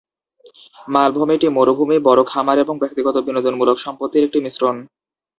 মালভূমিটি মরুভূমি, বড় খামার এবং ব্যক্তিগত বিনোদনমূলক সম্পত্তির একটি মিশ্রণ।